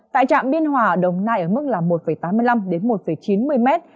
tại trạm biên hòa đồng nai ở mức một tám mươi năm đến một chín mươi mét